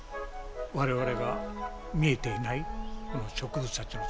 我々が見えていないこの植物たちの世界。